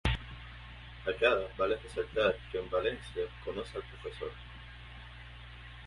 Acá vale resaltar que en Valencia conoce al Prof.